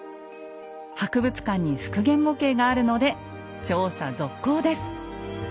博物館に復元模型があるので調査続行です。